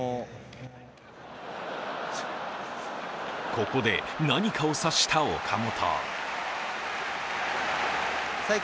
ここで何かを察した岡本。